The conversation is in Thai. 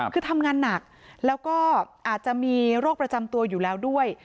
คือทำงานหนักแล้วก็อาจจะมีโรคประจำตัวอยู่แล้วด้วย